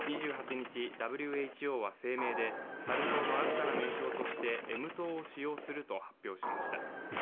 ２８日、ＷＨＯは声明でサル痘の新たな名称としてＭ痘を使用すると発表しました。